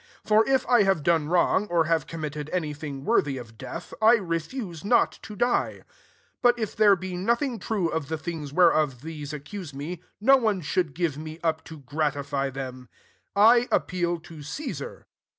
11 For if I have done wrong, or have committed any thing worthy of death, I refuse not to die : but if there be no« thing true of the things whereof these accuse me, no one should give me up to gratify them, I appeal to Caesar.